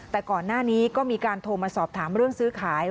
แต่ก่อนหน้านี้ก็มีการโทรมาสอบถามเรื่องซื้อขาย